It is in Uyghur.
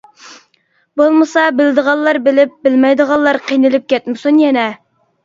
بولمىسا بىلىدىغانلار بىلىپ بىلمەيدىغانلار قىينىلىپ كەتمىسۇن يەنە.